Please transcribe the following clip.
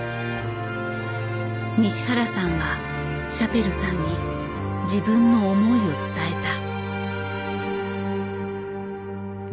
西原さんはシャペルさんに自分の思いを伝えた。